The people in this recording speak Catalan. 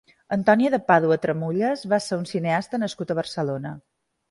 Antoni de Pàdua Tramullas va ser un cineasta nascut a Barcelona.